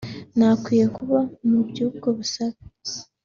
ntakwiye kuba mu by’ubwo busabe